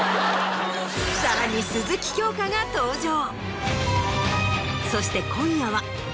さらに鈴木京香が登場。